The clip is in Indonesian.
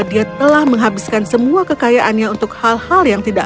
mereka tidak bisa mencapai kemuatan kesayang yang mereka warai di masa depan